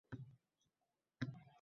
Sal alam qiladi kishiga.